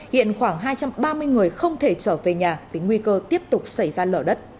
hiện khoảng hai trăm ba mươi người không thể trở về nhà vì nguy cơ tiếp tục xảy ra lở đất